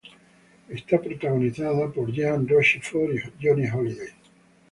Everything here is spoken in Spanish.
Está protagonizada por Jean Rochefort y Johnny Hallyday.